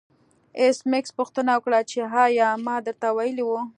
ایس میکس پوښتنه وکړه چې ایا ما درته ویلي وو